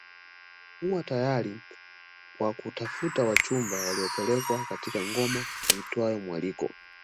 Huwa tayari kwa kutafuta wachumba waliopelekwa katika ngoma iitwayo mwaliko